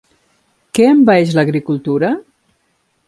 Què envaeix l'agricultura?